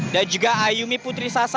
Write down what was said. dan juga ayumi putri sasar